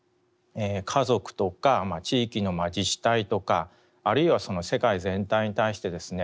家族とか地域の自治体とかあるいは世界全体に対してですね